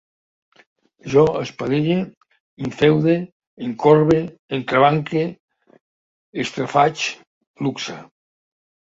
Jo espadelle, infeude, encorbe, entrebanque, estrafaig, luxe